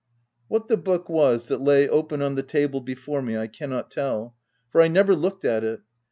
What the book was, that lay open on the table before me, I cannot tell, for I never looked at it.